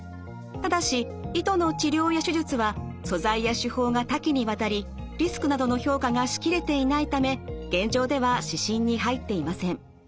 ただし糸の治療や手術は素材や手法が多岐にわたりリスクなどの評価がしきれていないため現状では指針に入っていません。